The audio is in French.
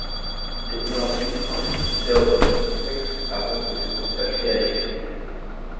Il devient ensuite instituteur dans le Sussex avant de se consacrer à l’écriture.